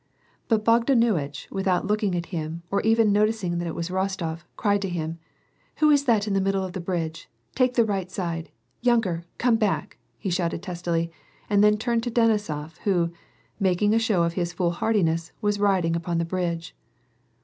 But Bogdanuitch, without looking at him, or even noticing that it was Rostof, cried to him, —" Who is that in the middle of the bridge. Take the right side ! Yunker, come back !" he shouted testily, and then turned to Denisof, who, making a show of his foolhardiness, was rid ing upon the bridge.